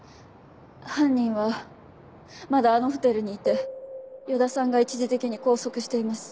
犯人はまだあのホテルにいて与田さんが一時的に拘束しています。